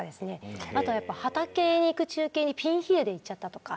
あとは畑に行く中継でピンヒールで行っちゃったとか。